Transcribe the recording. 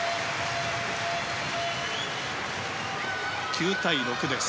９対６です。